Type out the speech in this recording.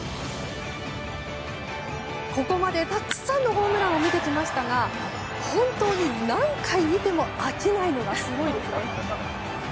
ここまでたくさんのホームランを見てきましたが本当に何回見ても飽きないのがすごいですよね。